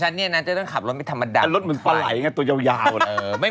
ใช่อันตรีการนี้มันรู้จักไง